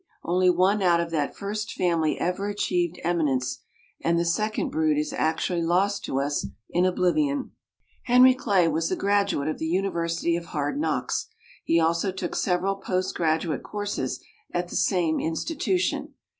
Only one out of that first family ever achieved eminence, and the second brood is actually lost to us in oblivion. Henry Clay was a graduate of the University of Hard Knocks; he also took several post graduate courses at the same institution.